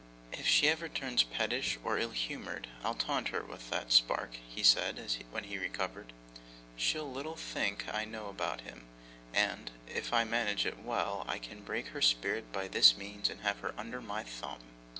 'If she ever turns pettish or ill humoured, I'll taunt her with that spark,' he said, when he had recovered. 'She'll little think I know about him; and, if I manage it well, I can break her spirit by this means and have her under my thumb.